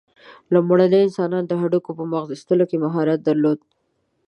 لومړنیو انسانانو د هډوکو په مغزو ایستلو کې مهارت درلود.